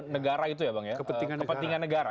negara itu ya bang ya